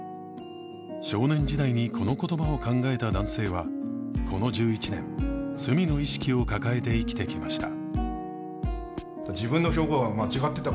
少年時代にこの言葉を考えた男性はこの１１年罪の意識を抱えて生きてきました。